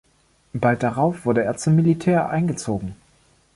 Bald darauf wurde er zum Militär eingezogen.